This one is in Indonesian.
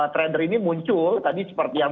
trader ini muncul tadi seperti yang